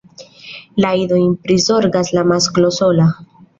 La idojn prizorgas la masklo sola.